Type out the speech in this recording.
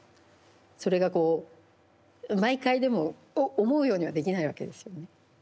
それがこう毎回でも思うようにはできないわけですよね。